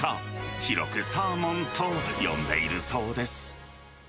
広くサーモンと呼んでいるそうです。